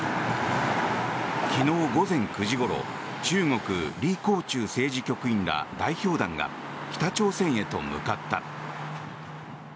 昨日午前９時ごろ中国、リ・コウチュウ政治局員ら代表団が北朝鮮へと向かった。